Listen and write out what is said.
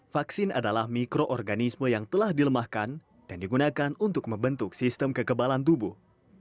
vaksin adalah mikroorganisme yang telah dilemahkan dan digunakan untuk membentuk sistem kekebalan tubuh